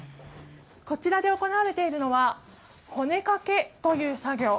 こちらで行われているのは骨掛けという作業。